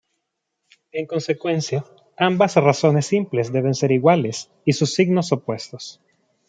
En consecuencia, ambas razones simples deben ser iguales, y sus signos opuestos.